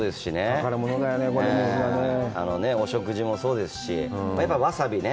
宝物だよね、この水はね。お食事もそうですし、わさびね。